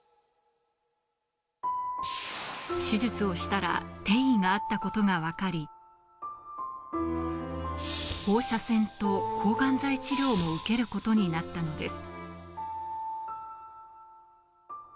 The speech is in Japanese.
手術をしたら転移があったことがわかり、放射線と抗がん剤治療を受けることになったのです。